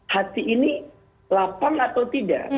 hati ini lapang atau tidak